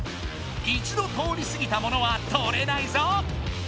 一度通りすぎたものは取れないぞ！